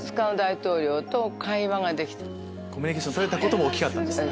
コミュニケーション取れたことも大きかったんですね。